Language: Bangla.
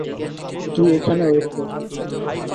তুই এখানে ওয়েট কর।